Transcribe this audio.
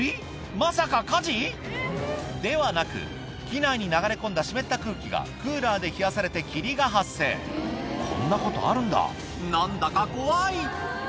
まさか火事？ではなく機内に流れ込んだ湿った空気がクーラーで冷やされて霧が発生こんなことあるんだ何だか怖い！